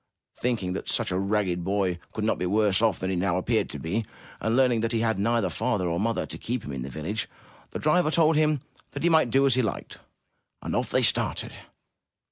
Thinking that such a ragged boy could not be worse off than he now appeared to be, and learning that he had neither father nor mother to keep him in the village, the driver told him that he might do as he liked. And off they started.